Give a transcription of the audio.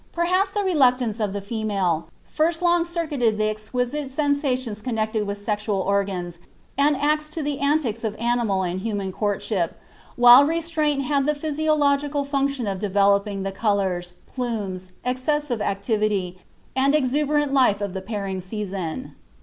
Perhaps the reluctance of the female first long circuited the exquisite sensations connected with sexual organs and acts to the antics of animal and human courtship, while restraint had the physiological function of developing the colors, plumes, excessive activity, and exuberant life of the pairing season.